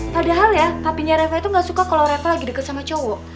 padahal ya papinya reva itu ga suka kalo reva lagi deket sama cowok